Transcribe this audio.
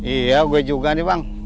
iya gue juga nih bang